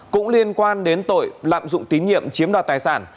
cũng liên quan đến tội lạm dụng tín nhiệm chiếm đoạt tài sản